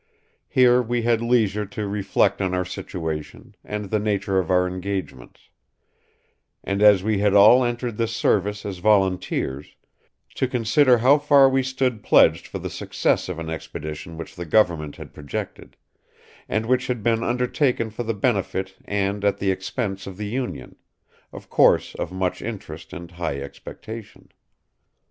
Here we had leisure to reflect on our situation, and the nature of our engagements: and as we had all entered this service as volunteers, to consider how far we stood pledged for the success of an expedition which the government had projected; and which had been undertaken for the benefit and at the expence of the Union: of course of much interest and high expectation.